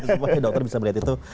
supaya dokter bisa melihat itu